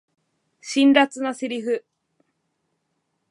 辛辣なセリフ